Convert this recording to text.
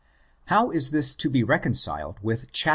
How is this to be reconciled with xiii.